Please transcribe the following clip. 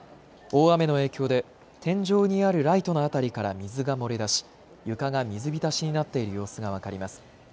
大雨の影響で天井にあるライトの辺りから水が漏れ出し床が水浸しになっている様子が分かります。